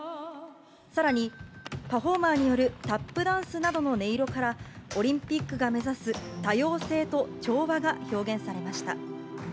さらに、パフォーマーによるタップダンスなどの音色から、オリンピックが目指す多様性と調和が表現されました。